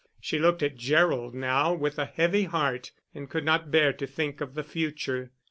She looked at Gerald now with a heavy heart and could not bear to think of the future.